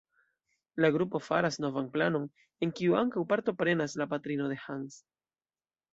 La grupo faras novan planon, en kiu ankaŭ partoprenas la patrino de Hannes.